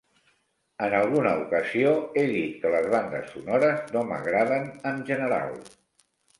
En alguna ocasió he dit que les bandes sonores no m'agraden, en general.